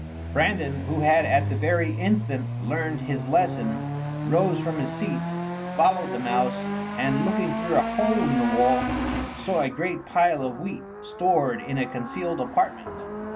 Brandan, who had at the very instant learned his lesson, rose from his seat, followed the mouse, and looking through a hole in the wall, saw a great pile of wheat, stored in a concealed apartment.